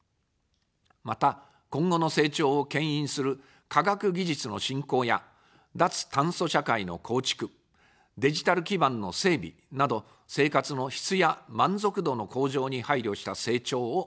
また、今後の成長をけん引する科学技術の振興や脱炭素社会の構築、デジタル基盤の整備など、生活の質や満足度の向上に配慮した成長をめざします。